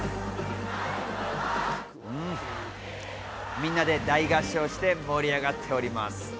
みんなで大合唱して盛り上がっております。